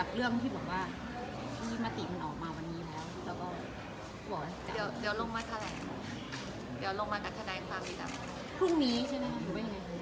พี่เค้าบอกว่าพรุ่งนี้ใช่ไหม